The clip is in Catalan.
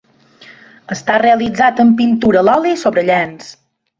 Està realitzat en pintura a l'oli sobre llenç.